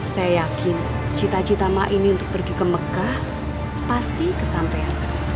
saya yakin cita cita ma ini untuk pergi ke mekah pasti kesampean